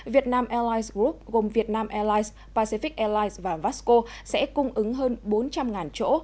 việt nam airlines group gồm việt nam airlines pacific airlines và vasco sẽ cung ứng hơn bốn trăm linh chỗ